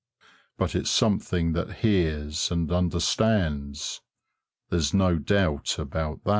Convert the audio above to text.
But it's something that hears and understands; there's no doubt about that.